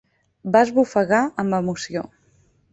Va esbufegar amb emoció.